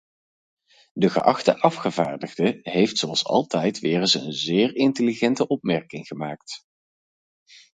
De geachte afgevaardigde heeft zoals altijd weer eens een zeer intelligente opmerking gemaakt.